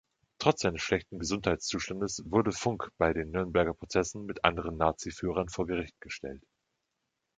Trotz seines schlechten Gesundheitszustandes wurde Funk bei den Nürnberger Prozessen mit anderen Nazi-Führern vor Gericht gestellt.